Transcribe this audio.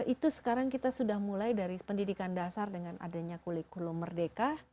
itu sekarang kita sudah mulai dari pendidikan dasar dengan adanya kurikulum merdeka